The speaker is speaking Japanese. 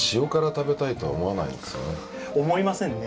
思いませんね